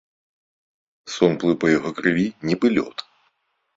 Сон плыў па яго крыві, нібы лёд.